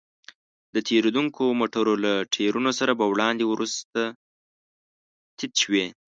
د تېرېدونکو موټرو له ټايرونو سره به وړاندې وروسته تيت شوې.